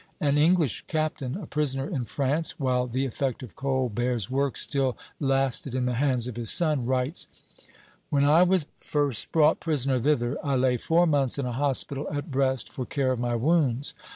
An English captain, a prisoner in France while the effect of Colbert's work still lasted in the hands of his son, writes: "When I was first brought prisoner thither, I lay four months in a hospital at Brest for care of my wounds.